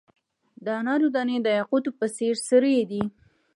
د انارو دانې د یاقوتو په څیر سرې دي.